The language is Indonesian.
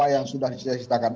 yang sudah saya ceritakan